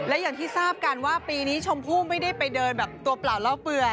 และอย่างที่ทราบกันว่าปีนี้ชมพู่ไม่ได้ไปเดินแบบตัวเปล่าเล่าเปื่อย